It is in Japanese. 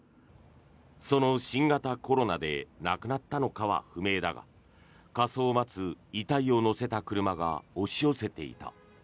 その新型コロナで亡くなったのかは不明だが火葬を待つ遺体を乗せた車が押し寄せていた。